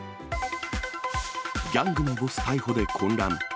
ギャングのボス逮捕で混乱。